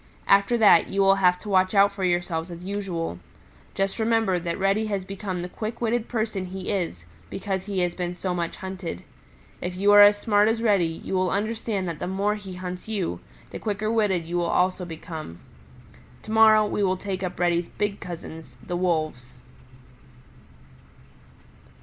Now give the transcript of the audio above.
After that you will have to watch out for yourselves as usual. Just remember that Reddy has become the quick witted person he is because he has been so much hunted. If you are as smart as Reddy, you will understand that the more he hunts you, the quicker witted you also will become. To morrow we will take up Reddy's big cousins, the Wolves."